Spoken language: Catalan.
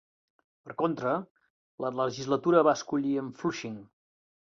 Per contra, la legislatura va escollir en Flushing.